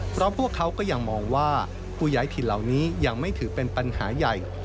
เพราะพวกเขาก็ยังมองว่าผู้ย้ายถิ่นเหล่านี้ยังไม่ถือเป็นปัญหาใหญ่